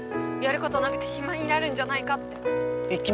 やることなくて暇になるんじゃないかって。